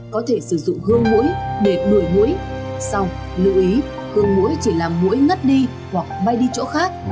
có thể sử dụng hương mũi để đuổi mũi xong lưu ý hương mũi chỉ làm mũi ngất đi hoặc bay đi chỗ khác